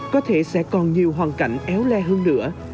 có thể sẽ còn nhiều hoàn cảnh éo le hơn nữa